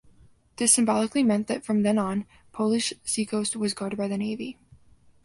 This symbolically meant that from then on, Polish seacoast was guarded by the Navy.